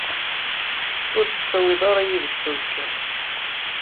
Ur t-tettawiḍ ara yid-k s aẓekka.